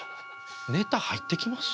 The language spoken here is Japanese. ネタ入ってきます？